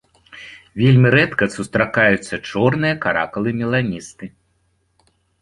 Вельмі рэдка сустракаюцца чорныя каракалы-меланісты.